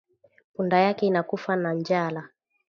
Punda yake inakufa na njala